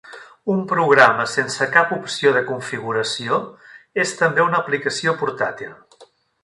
Un programa sense cap opció de configuració és també una aplicació portàtil.